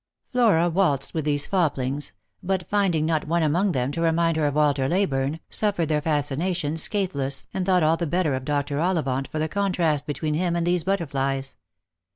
Flora waltzed with these foplings ; but finding not one among them to remind her of Walter Leyburne, suffered their fascina tions scatheless, and thought all the better of Dr. Ollivant for the contrast between him and these butterflies.